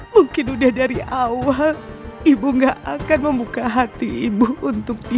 mungkin udah dari awal ibu gak akan membuka hati ibu untuk tidur